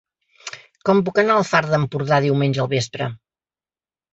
Com puc anar al Far d'Empordà diumenge al vespre?